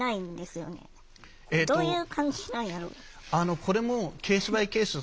これもケースバイケース。